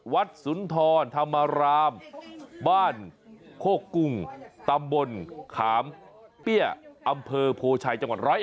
สุนทรธรรมรามบ้านโคกุ้งตำบลขามเปี้ยอำเภอโพชัยจังหวัด๑๐๑